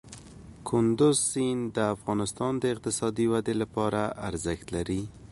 کندز سیند د افغانستان د اقتصادي ودې لپاره ارزښت لري.